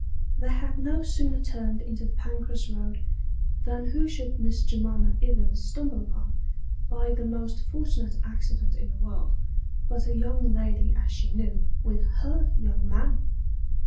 They had no sooner turned into the Pancras Eoad, than who should Miss J'mima Ivins stumble upon, by the most fortunate accident in the world, but a young lady as she knew, with Jier young man